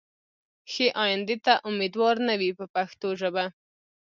ښې ایندې ته امیدوار نه وي په پښتو ژبه.